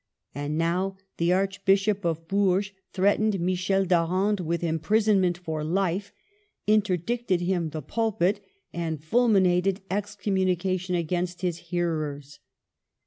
And now the Archbishop of Bourges threatened Michel d'Arande with im prisonment for life, interdicted him the pulpit, and fulminated excommunication against his hearers.